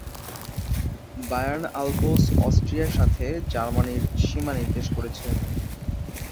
Bayern Alps অস্ট্রিয়ার সাথে জার্মানির সীমা নির্দেশ করেছে।